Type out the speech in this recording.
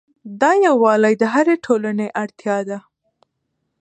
دا یووالی د هرې ټولنې اړتیا ده.